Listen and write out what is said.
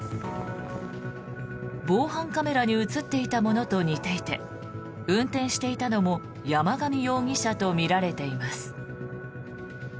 防犯カメラに映っていたものと似ていて運転していたのも山上容疑者とみられています。